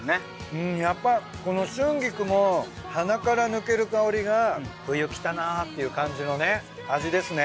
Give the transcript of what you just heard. うんやっぱこの春菊も鼻から抜ける香りが冬きたなっていう感じのね味ですね。